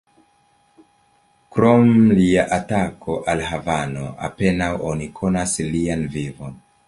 Krom lia atako al Havano, apenaŭ oni konas lian vivon.